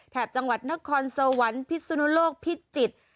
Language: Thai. แถบจังหวัดนครสวรรพิศุนโลกพิจิตร